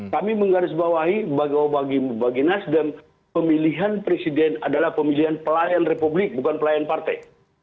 kami menggarisbawahi bagi nasdem pemilihan presiden adalah pemilihan pelayan republik bukan pelayan partai